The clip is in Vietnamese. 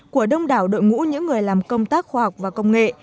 của đông đảo đội ngũ những người làm công tác khoa học và công nghệ